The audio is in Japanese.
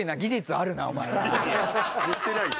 言ってないよ。